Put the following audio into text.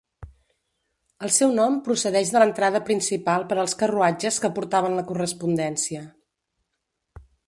El seu nom procedeix de l'entrada principal per als carruatges que portaven la correspondència.